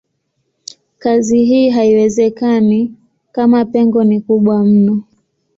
Kazi hii haiwezekani kama pengo ni kubwa mno.